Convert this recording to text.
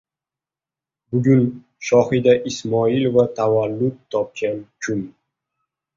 Bugun Shohida Ismoilova tavallud topgan kun